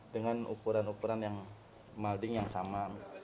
dengan ukuran ukuran yang malding yang sama